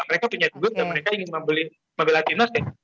mereka punya duit dan mereka ingin membeli mobil latinnya sih